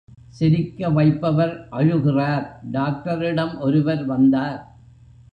சிரிக்கவைப்பவர் அழுகிறார் டாக்டரிடம் ஒருவர் வந்தார்.